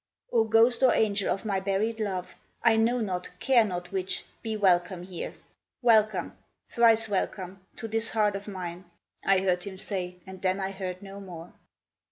"O ghost or angel of my buried love, I know not, care not which, be welcome here! Welcome, thrice welcome, to this heart of mine!" I heard him say, and then I heard no more.